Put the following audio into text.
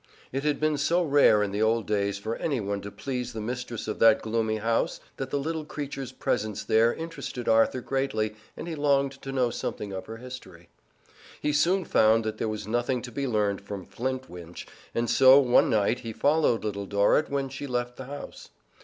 It had been so rare in the old days for any one to please the mistress of that gloomy house that the little creature's presence there interested Arthur greatly and he longed to know something of her history. He soon found there was nothing to be learned from Flintwinch, and so one night he followed Little Dorrit when she left the house.